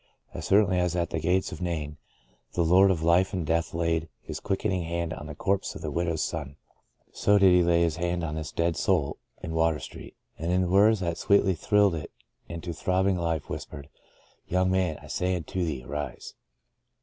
As certainly as at the gates of Nain the Lord of Life and Death laid His quickening hand on the corpse of the widow's son, so did He lay His hand on this dead soul in Water Street, and in words that sweetly thrilled it into throbbing life whis pered :" Young man, I say unto thee, Arise!''